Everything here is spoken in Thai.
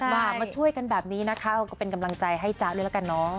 มามาช่วยกันแบบนี้นะคะก็เป็นกำลังใจให้จ๊ะด้วยละกันเนาะ